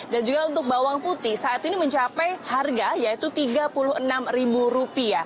dan juga untuk bawang putih saat ini mencapai harga yaitu rp tiga puluh enam